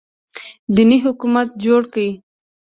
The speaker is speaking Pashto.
دیني حکومت جوړ کړي